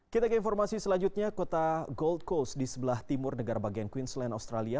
kita ke informasi selanjutnya kota gold coast di sebelah timur negara bagian queensland australia